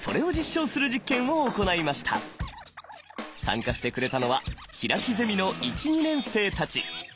参加してくれたのは平木ゼミの１２年生たち。